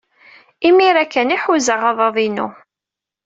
Imir-a kan ay ḥuzaɣ aḍad-inu.